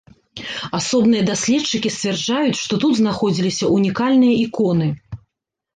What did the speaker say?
Асобныя даследчыкі сцвярджаюць, што тут знаходзіліся унікальныя іконы.